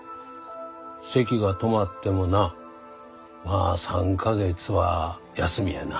せきが止まってもなまあ３か月は休みやな。